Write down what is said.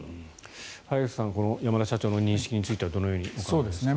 早坂さん山田社長の認識についてはどのようにお考えですか？